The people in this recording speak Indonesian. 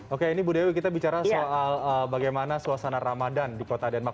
oke ini bu dewi kita bicara soal bagaimana suasana ramadhan di kota denmark